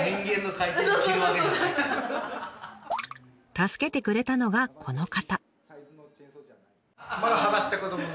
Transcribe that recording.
助けてくれたのがこの方。